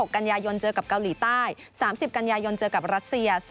กันยายนเจอกับเกาหลีใต้๓๐กันยายนเจอกับรัสเซีย